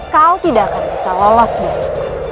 kau tidak akan bisa lolos dari